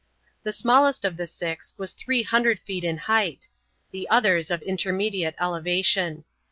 The smallest of the six was 300 feet in height; the others of intermediate elevation.